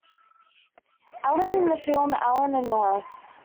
Allen in the firm Allen and Norris.